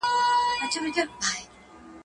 کشمیر ته هر کلی پېغور وو اوس به وي او کنه.